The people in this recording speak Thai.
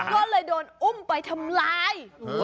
ก็เลยโดนอุ้มไปทำลาย